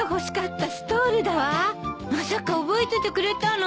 まさか覚えててくれたの？